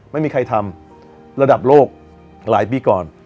ไม่มีใครทำระดับโลกหลายปีก่อน